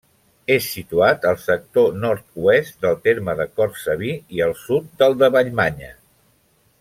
És situat al sector nord-oest del terme de Cortsaví, i al sud del de Vallmanya.